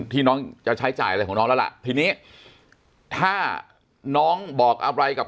ที่น้องจะใช้จ่ายอะไรของน้องแล้วล่ะทีนี้ถ้าน้องบอกอะไรกับ